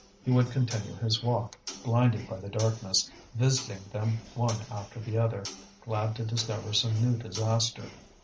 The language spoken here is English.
He would continue his walk, blinded by the darkness, visiting them one after the other, glad to discover some new disaster.